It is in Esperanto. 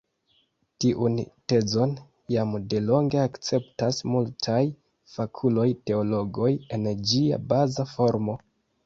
Tiun tezon jam delonge akceptas multaj fakuloj-teologoj en ĝia baza formo.